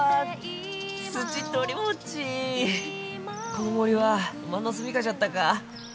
この森はおまんの住みかじゃったか。